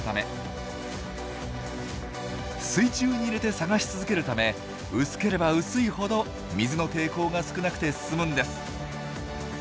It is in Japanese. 水中に入れて探し続けるため薄ければ薄いほど水の抵抗が少なくて済むんです。